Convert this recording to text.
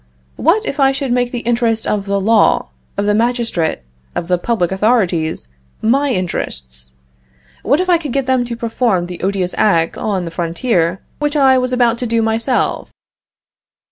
What if I should make the interest of the law, of the magistrate, of the public authorities, my interests? What if I could get them to perform the odious act on the frontier which I was about to do myself?"